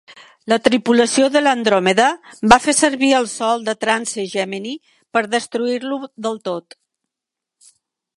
La tripulació de l'"Andromeda" va fer servir el sol de Trance Gemini per destruir-lo del tot.